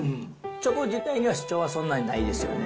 チョコ自体には主張はそんなにないですよね。